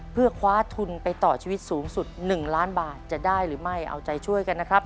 เพื่อคว้าทุนไปต่อชีวิตสูงสุด๑ล้านบาทจะได้หรือไม่เอาใจช่วยกันนะครับ